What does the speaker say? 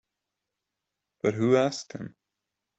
But who asked him?